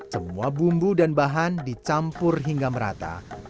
semua bumbu dan bahan dicampur hingga merata